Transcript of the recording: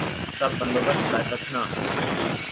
سب بندوبست کر رکھنا